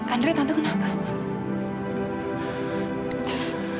andrei tante kenapa